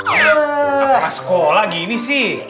apa sekolah gini sih